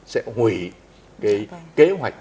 sẽ hủy cái kế hoạch